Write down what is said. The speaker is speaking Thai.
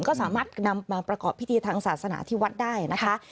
ก็สามารถนำมาประกอบพิธีทางศาสนาที่วัดได้นะคะ